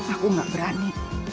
aku gak berani